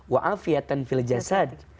wa afiatan fil jasad